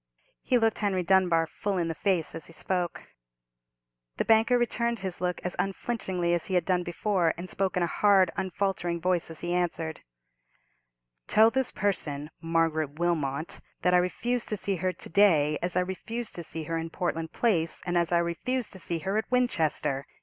He looked Henry Dunbar full in the face as he spoke. The banker returned his look as unflinchingly as he had done before, and spoke in a hard, unfaltering voice as he answered: "Tell this person, Margaret Wilmot, that I refuse to see her to day, as I refused to see her in Portland Place, and as I refused to see her at Winchester!"